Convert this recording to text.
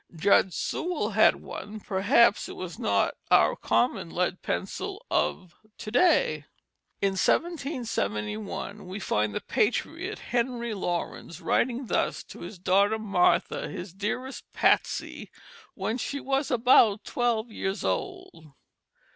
Judge Sewall had one; perhaps it was not our common lead pencil of to day. In 1771 we find the patriot Henry Laurens writing thus to his daughter Martha, "his dearest Patsey," when she was about twelve years old.